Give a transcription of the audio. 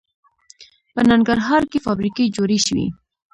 په ننګرهار کې فابریکې جوړې شوي